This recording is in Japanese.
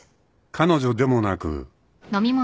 ［彼女でもなく］